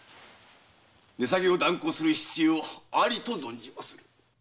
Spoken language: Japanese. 値下げを断行する必要ありと存じます。